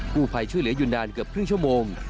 ผู้ภัยช่วยเหลืออยู่นานเกือบครึ่งชั่วโมง